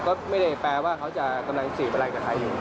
ก็ไม่ได้แปลว่าเขาจะกำลังจีบอะไรกับใครอยู่